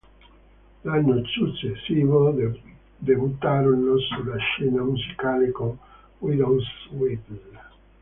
L'anno successivo debuttarono sulla scena musicale con "Widow's Weeds".